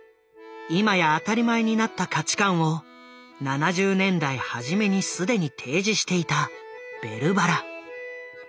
今や当たり前になった価値観を７０年代初めに既に提示していた「ベルばら」。